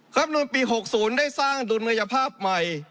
รับนูลปี๖๐ได้สร้างดุลยภาพใหม่